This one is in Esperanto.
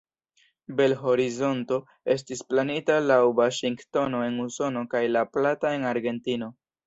Bel-Horizonto estis planita laŭ Vaŝingtono en Usono kaj La Plata en Argentino.